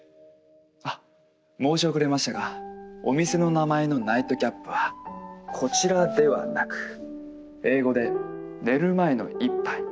あっ申し遅れましたがお店の名前のナイトキャップはこちらではなく英語で「寝る前の一杯」